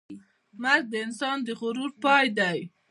مرګ د انسان د غرور پای دی.